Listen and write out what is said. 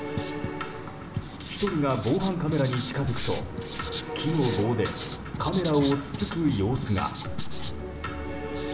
１人が防犯カメラに近づくと木の棒でカメラをつつく様子が。